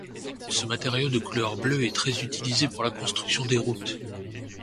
Ce matériau de couleur bleue est très utilisé pour la construction des routes.